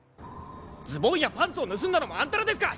ズボンやパンツを盗んだのもあんたらですか！